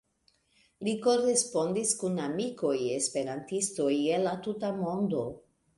Li korespondis kun amikoj-esperantistoj el la tuta mondo.